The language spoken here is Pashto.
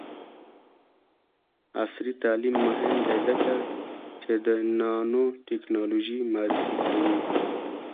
عصري تعلیم مهم دی ځکه چې د نانوټیکنالوژي معرفي کوي.